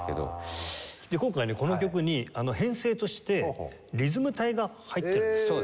今回ねこの曲に編成としてリズム隊が入っているんですね。